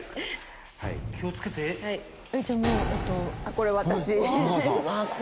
これ私。